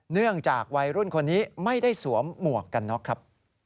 เนื่องจากวัยรุ่นคนนี้ไม่ได้สวมหมวกกันน็อกครับ